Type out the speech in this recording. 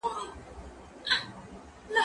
که وخت وي، انځور ګورم؟!